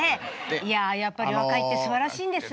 いややっぱり若いってすばらしいんですね。